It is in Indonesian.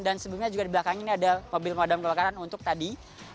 dan sebelumnya juga di belakang ini ada mobil memadam kebakaran untuk tadi